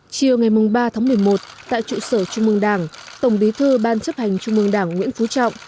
chiều ngày ba một mươi một tại trụ sở trung ương đảng tổng bí thư ban chấp hành trung ương đảng nguyễn phú trọng